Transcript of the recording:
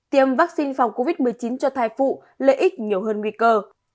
tiêm vaccine phòng covid một mươi chín cho thai phụ lợi ích nhiều hơn nguy cơ